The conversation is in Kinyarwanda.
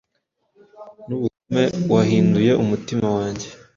Nubugome wahinduye Umutima wanjye,